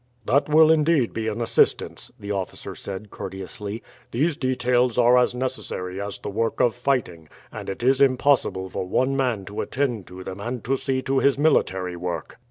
"That will indeed be an assistance," the officer said courteously. "These details are as necessary as the work of fighting; and it is impossible for one man to attend to them and to see to his military work."